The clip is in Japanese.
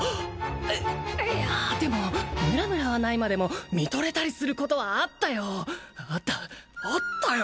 いいやでもムラムラはないまでも見とれたりすることはあったよあったあったよ！